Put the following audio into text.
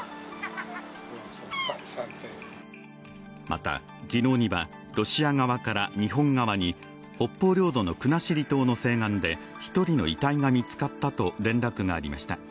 また、昨日にはロシア側から日本側に北方領土の国後島の西岸で１人の遺体が見つかったと連絡がありました。